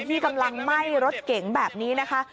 ที่กำลังไหม้รถเก๋งแบบนี้นะคะ